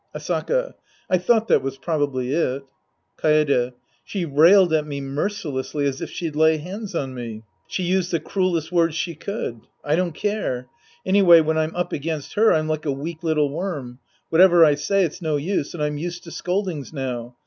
Asaka. I thought that was probably it. Kaede. She railed at me mercilessly as if she'd lay hands on me. She used the crudest words she could. I don't care. Anyway when I'm up against her, I'm like a weak little worm. Whatever I say, it's no use, and I'm used to scoldings now.